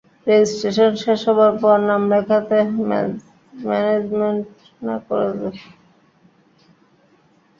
Registration শেষ হবার পর নাম লেখাতে ম্যানেজমেন্ট না করেছে।